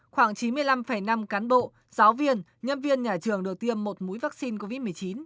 khoảng chín mươi năm năm cán bộ giáo viên nhân viên nhà trường được tiêm một mũi vaccine covid một mươi chín